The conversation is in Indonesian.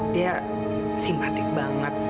dia simpatik banget